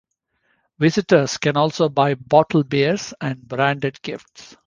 Visitors can also buy bottled beers and branded gifts.